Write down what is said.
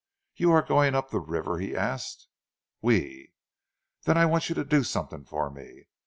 "You are going up the river?" he asked. "Oui!" "Then I want you to do something for me.